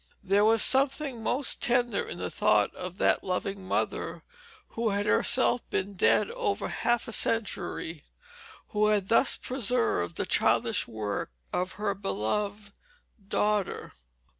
There was something most tender in the thought of that loving mother, who had herself been dead over half a century, who had thus preserved the childish work of her beloved daughter.